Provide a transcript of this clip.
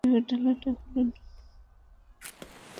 এবার ডালাটা খুলুন?